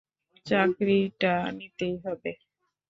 চাকরিটা নিতেই হবে।